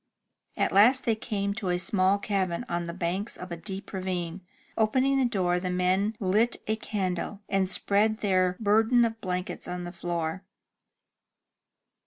At last they came to a small cabin on the banks of a deep ravine. Opening the door, the men lit a candle, and spread their burden of blankets on the floor.